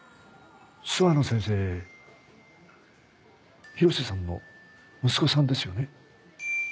諏訪野先生広瀬さんの息子さんですよね？